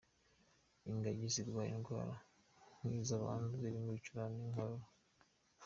Ingagi zirwara indwara nk izabantu zirimo ibicurane, inkorora.